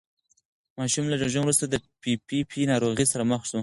ماشوم له زېږون وروسته د پي پي پي ناروغۍ سره مخ شو.